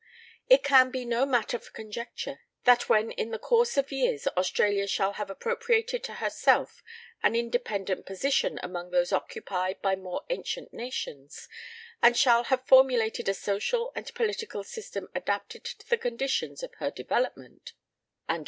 It can be no matter for conjecture that when in the course of years Australia shall have appropriated to herself an in dependent position among those occupied by more ancient nations, and shall have formulated a social and political system adapted to the conditions of her development and vi INTROD UCTOR Y NOTE.